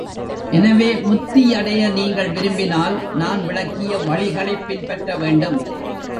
எனவே முத்தி அடைய நீங்கள் விரும்பினால் நான் விளக்கிய வழிகளைப் பின்பற்றவேண்டும்.